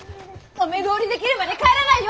お目通りできるまで帰らないよ！